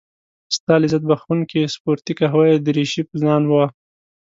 ستا لذت بخښونکې سپورتي قهوه يي دريشي په ځان وه.